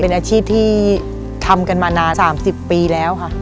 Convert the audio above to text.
เป็นอาชีพที่ทำกันมานาน๓๐ปีแล้วค่ะ